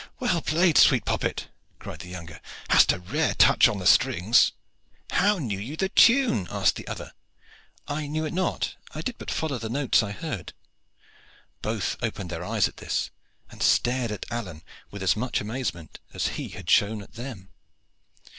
"Well played, sweet poppet!" cried the younger. "Hast a rare touch on the strings." "How knew you the tune?" asked the other. "I knew it not. I did but follow the notes I heard." Both opened their eyes at this, and stared at Alleyne with as much amazement as he had shown at them.